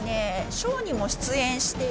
ショーにも出演しているセイウチの。